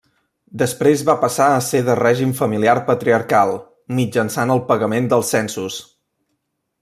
Després va passar a ser de règim familiar patriarcal, mitjançant el pagament dels censos.